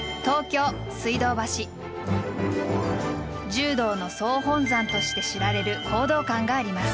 柔道の総本山として知られる講道館があります。